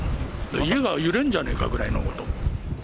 家が揺れるんじゃねえかぐらいの音。